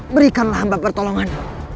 berikanlah hamba pertolongan